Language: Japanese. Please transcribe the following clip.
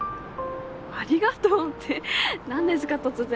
「ありがとう」って何ですか突然。